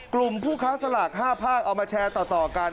กลุ่มผู้ค้าสลาก๕ภาคเอามาแชร์ต่อกัน